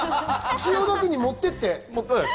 千代田区に持って行って！